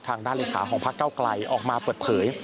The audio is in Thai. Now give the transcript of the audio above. ทางด้านลิขาของพระเก้าไกรออกมาเปิดเผย